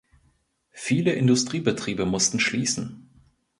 Viele Industriebetriebe mussten schließen.